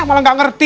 malah nggak ngerti